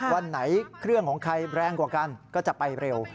วันไหนเครื่องของใครแรงกว่ากันก็จะไปเร็ว